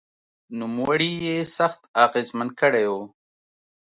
نوموړي یې سخت اغېزمن کړی و